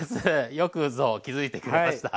よくぞ気付いてくれました。